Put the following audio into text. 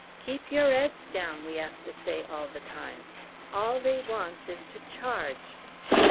'Keep your 'eads down!' we 'ave to say all the time. All they wants is to charge."